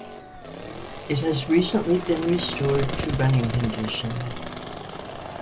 It has recently been restored to running condition.